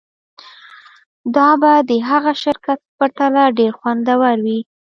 دا به د هغه شرکت په پرتله ډیر خوندور وي